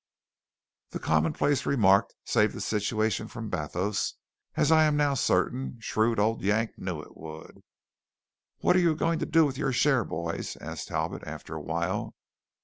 The commonplace remark saved the situation from bathos, as I am now certain shrewd old Yank knew it would. "What are you going to do with your shares, boys?" asked Talbot after a while.